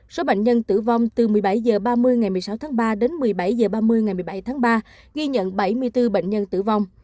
số bệnh nhân tử vong từ một mươi bảy h ba mươi ngày một mươi sáu tháng ba đến một mươi bảy h ba mươi ngày một mươi bảy tháng ba ghi nhận bảy mươi bốn bệnh nhân tử vong